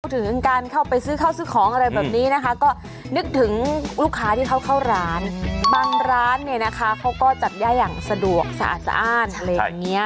ถึงการเข้าไปซื้อข้าวซื้อของอะไรแบบนี้นะคะก็นึกถึงลูกค้าที่เขาเข้าร้านบางร้านเนี่ยนะคะเขาก็จับได้อย่างสะดวกสะอาดสะอ้านอะไรอย่างนี้